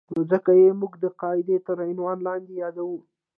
نو ځکه یې موږ د قاعدې تر عنوان لاندې یادوو.